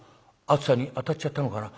暑さにあたっちゃったのかな。